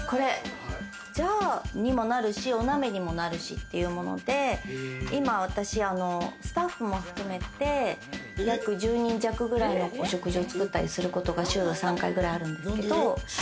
ジャーにもなるし、お鍋にもなるしっていうもので、スタッフも含めて、約１０人弱ぐらいのお食事を作ったりすることが週３回ぐらいあるんですけど。